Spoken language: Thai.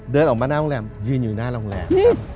เดินออกมาหน้าโรงแรมยืนอยู่หน้าโรงแรม